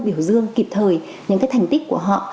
biểu dương kịp thời những cái thành tích của họ